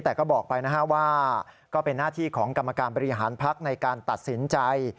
แต่ก็บอกไปนะฮะว่าก็เป็นหน้าที่ของกรรมการบริหารพักในการตัดสินใจ